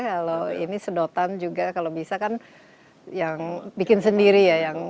kalau ini sedotan juga kalau bisa kan yang bikin sendiri ya